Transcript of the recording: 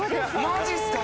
マジっすか！？